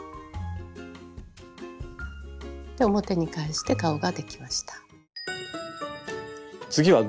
で表に返して顔ができました。